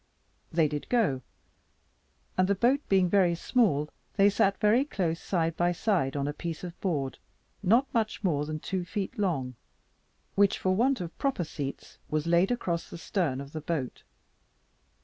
They did go, and the boat being very small, they sat very close side by side, on a piece of board not much more than two feet long, which, for want of proper seats, was laid across the stern of the boat.